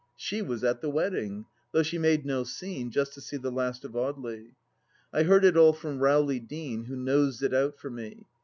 She was at the wedding, though she made no scene, just to see the last of Audely. I heard it all from Rowley Deane, who nosed it out for me.